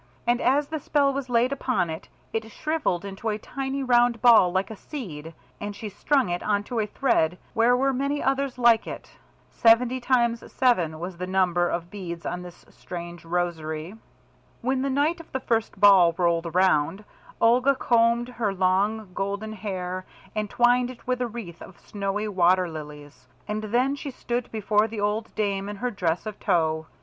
And as the spell was laid upon it, it shrivelled into a tiny round ball like a seed, and she strung it on to a thread, where were many others like it. Seventy times seven was the number of beads on this strange rosary. When the night of the first ball rolled around, Olga combed her long golden hair and twined it with a wreath of snowy water lilies, and then she stood before the old dame in her dress of tow.